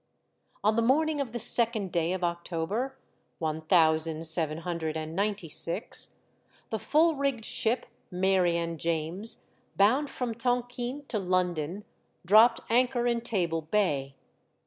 On the morning of the second day of October, one thousand seven hundred and ninety six, the full rigged ship Mary and James, bound from Tonquin to London, dropped anchor in Table Bay.